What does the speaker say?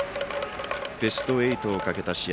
ベスト８をかけた試合。